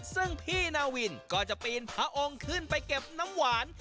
ซึ่งพี่นาวินก็จะปีนพระองค์ขึ้นไปเก็บน้ำหวาน